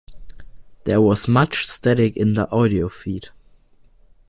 There was much static in the audio feed.